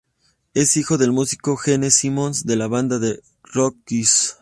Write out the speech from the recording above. Es hijo del músico Gene Simmons de la banda de rock Kiss.